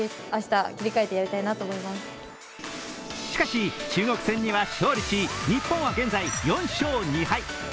しかし、中国戦には勝利し日本は現在４勝２敗。